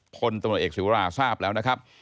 พลตำรวจเอกศิวราทราบแล้วนะครับ